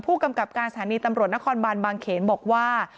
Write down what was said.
ผู้กำกับการสถานีตำรวจนครบานบางเขนบอกว่า